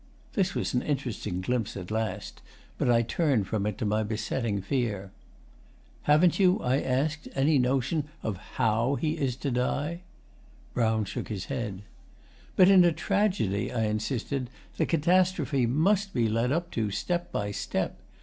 This was an interesting glimpse at last, but I turned from it to my besetting fear. 'Haven't you,' I asked, 'any notion of HOW he is to die?' Brown shook his head. 'But in a tragedy,' I insisted, 'the catastrophe MUST be led up to, step by step.